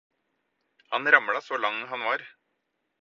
Han ramla så lang han var.